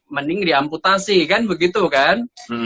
mending di amputasi kan begitu kan